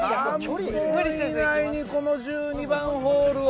３分以内にこの１２番ホールを？